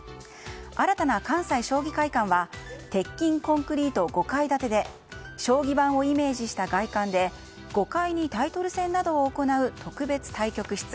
新たな関西将棋会館は鉄筋コンクリート５階建てで将棋盤をイメージした外観で５階にタイトル戦などを行う特別対局室。